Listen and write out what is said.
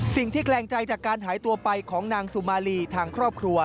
แกลงใจจากการหายตัวไปของนางสุมาลีทางครอบครัว